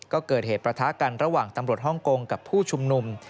ก็เกิดเหตุประทะกันระหว่างตำรวจฮ่องกงกับผู้ชุมนุม